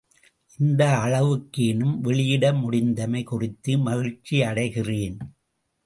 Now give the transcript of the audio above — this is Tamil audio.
இந்த அளவுக்கேனும் வெளியிட முடிந்தமை குறித்து மகிழ்ச்சியடைகிறேன்.